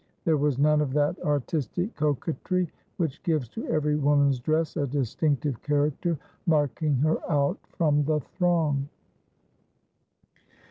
There was none of that artistic coquetry which gives to every woman's dress a distinctive character, marking her out from the throng.